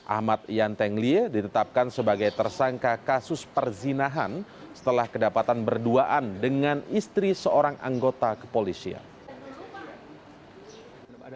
ahmad yantenglie ditetapkan sebagai tersangka kasus perzinahan setelah kedapatan berduaan dengan istri seorang anggota kepolisian